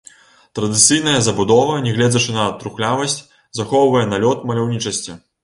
Традыцыйная забудова, нягледзячы на трухлявасць, захоўвае налёт маляўнічасці.